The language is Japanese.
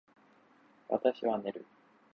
私は寝る